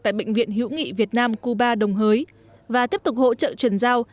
tại bệnh viện hữu nghị việt nam cuba đồng hới và tiếp tục hỗ trợ chuyển giao